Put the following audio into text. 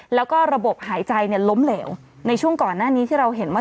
แล้วก็ระบบหายใจเนี่ยล้มเหลวในช่วงก่อนหน้านี้ที่เราเห็นว่า